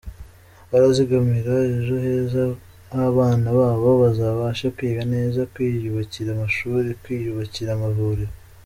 Barazigamira ejo heza h’abana babo, bazabashe kwiga neza, kwiyubakira amashuri, kwiyubakira amavurio,”.